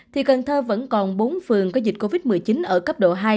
thì cần thơ vẫn còn bốn phường có dịch covid một mươi chín ở cấp độ hai